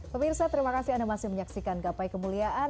pemirsa terima kasih anda masih menyaksikan gapai kemuliaan